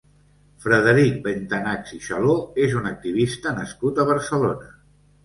Frederic Bentanachs i Chalaux és un activista nascut a Barcelona.